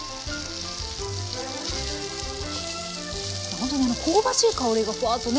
ほんとにあの香ばしい香りがふわっとね